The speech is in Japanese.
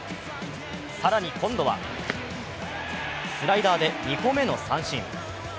更に今度はスライダーで２個目の三振。